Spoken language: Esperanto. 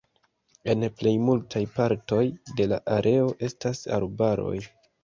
En plej multaj partoj de la areo estas arbaroj.